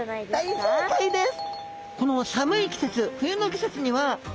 大正解です！